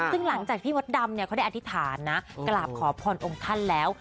ซึ่งหลังจากที่มดดำเขาได้อธิษฐานนะกราบขอพรองค์ท่านแล้ว